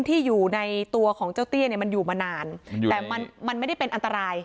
ที่อยู่ในตัวของเจ้าเตี้ยเนี่ยมันอยู่มานานแต่มันมันไม่ได้เป็นอันตราย